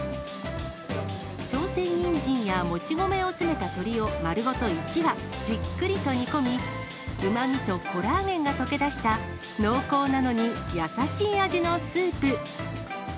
朝鮮人参やもち米を詰めた鶏を丸ごと１羽、じっくりと煮込み、うまみとコラーゲンが溶け出した濃厚なのに優しい味のスープ。